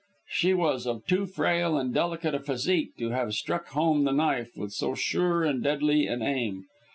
She was of too frail and delicate a physique to have struck home the knife with so sure and deadly an aim.